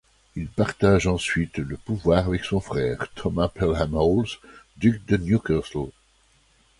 Il partage ensuite le pouvoir avec son frère, Thomas Pelham-Holles, duc de Newcastle.